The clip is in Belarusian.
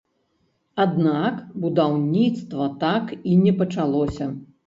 Аднак будаўніцтва так і не пачалося.